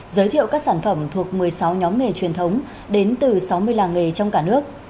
giới thiệu các sản phẩm thuộc một mươi sáu nhóm nghề truyền thống đến từ sáu mươi làng nghề trong cả nước